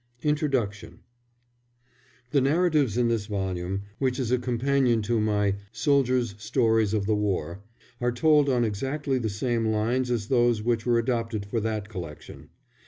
INTRODUCTION The narratives in this volume, which is a companion to my Soldiers' Stories of the War, are told on exactly the same lines as those which were adopted for that collection.